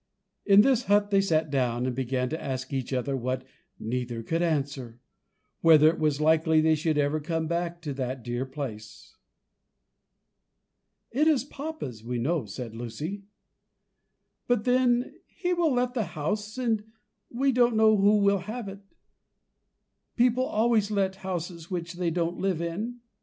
In this hut they sat down and began to ask each other what neither could answer, whether it was likely they should ever come back to that dear place. "It is papa's, we know," said Lucy; "but then he will let the house, and we don't know who will have it; people always let houses which they don't live in.